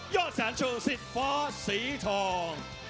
ยอดแสนเชิงสิทธิ์ฟ้าสีทอง